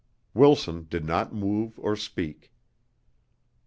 Wilson did not move or speak.